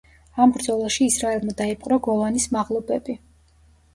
ამ ბრძოლაში ისრაელმა დაიპყრო გოლანის მაღლობები.